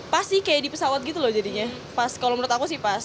pasti kayak di pesawat gitu loh jadinya pas kalau menurut aku sih pas